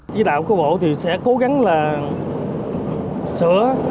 chí đạo của bộ sẽ cố gắng sửa